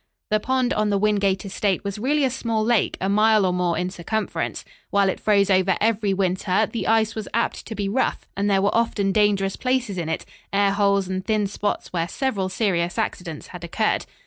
The pond on the Wingate estate was really a small lake, a mile or more in circumference. While it froze over every winter, the ice was apt to be rough, and there were often dangerous places in it, air holes and thin spots where several serious accidents had occurred.